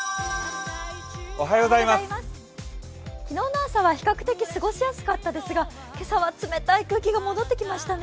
昨日の朝は比較的過ごしやすかったですが今朝は冷たい空気が戻ってきましたね。